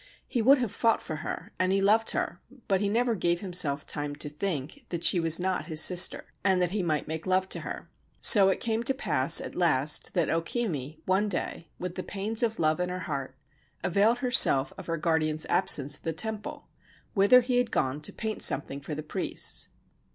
He would have fought for her, and he loved her ; but he never gave himself time to think that she was not his sister, and that he might make love to her. So it came to pass at last that O Kimi one day, with the pains of love in her heart, availed herself of her guardian's absence at the temple, whither he had gone to paint something for the priests.